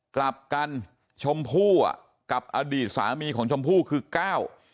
กลับกันชมพู่อ่ะกับอดีตสามีของชมพู่คือก้าว